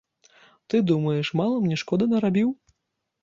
Ты, думаеш, мала мне шкоды нарабіў?